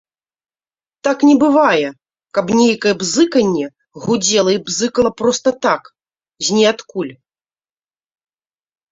Так не бывае, каб нейкае бзыканне гудзела і бзыкала проста так, з ніадкуль.